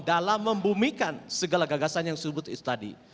dalam membumikan segala gagasan yang disebut itu tadi